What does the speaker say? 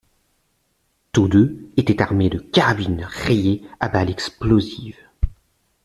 Tous deux étaient armés de carabines rayées à balles explosives.